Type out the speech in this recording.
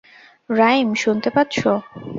Rhyme, শুনতে পাচ্ছ?